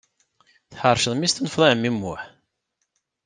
Tḥerceḍ mi s-tunfeḍ i ɛemmi Muḥ